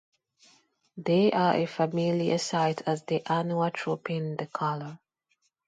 They are a familiar sight at the annual Trooping the Colour.